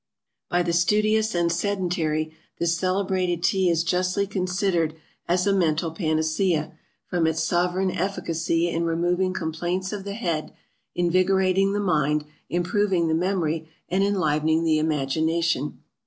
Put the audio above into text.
By the Studious and Sedentary, this CELEBRATED TEA is justly considered as a MENTAL PANACEA, from its sovereign efficacy in removing complaints of the head, invigorating the mind, improving the memory, and enlivening the imagination.